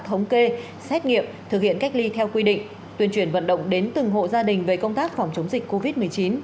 thống kê xét nghiệm thực hiện cách ly theo quy định tuyên truyền vận động đến từng hộ gia đình về công tác phòng chống dịch covid một mươi chín